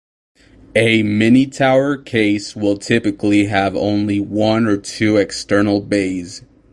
A "mini-tower" case will typically have only one or two external bays.